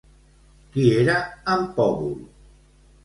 Qui era en Pòbul?